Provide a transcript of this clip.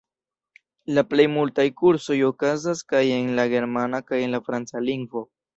La plej multaj kursoj okazas kaj en la germana kaj en la franca lingvo.